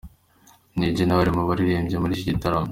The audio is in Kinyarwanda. Lil-G nawe ari mu baririmbye muri iki gitaramo.